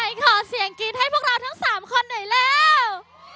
ขอเสียงกรี๊ดให้พวกเราทั้ง๓คนหน่อยเร็ว